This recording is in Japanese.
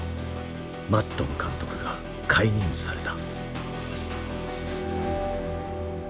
マッドン監督が解任された。